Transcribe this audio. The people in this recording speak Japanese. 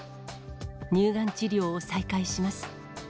乳がん治療を再開します。